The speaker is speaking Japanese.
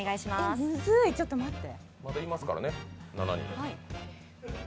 えっ、むずい、ちょっと待って。